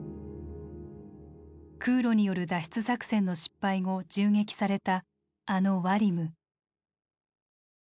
空路による脱出作戦の失敗後銃撃されたあのワリム。